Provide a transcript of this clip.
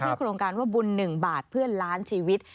ชื่อโครงการว่าบุญหนึ่งบาทเพื่อนล้านชีวิต